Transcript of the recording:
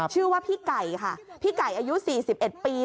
ชื่อว่าพี่ไก่ค่ะพี่ไก่อายุ๔๑ปี